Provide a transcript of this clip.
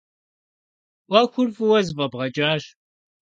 Ӏуэхур фӏыуэ зэфӏэбгъэкӏащ.